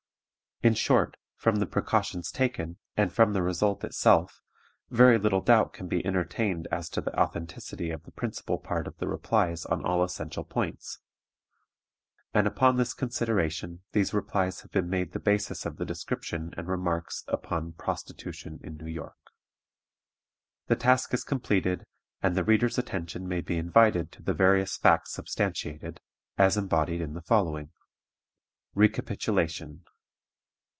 In short, from the precautions taken, and from the result itself, very little doubt can be entertained as to the authenticity of the principal part of the replies on all essential points; and upon this consideration these replies have been made the basis of the description and remarks upon PROSTITUTION IN NEW YORK. The task is completed, and the reader's attention may be invited to the various facts substantiated, as embodied in the following RECAPITULATION.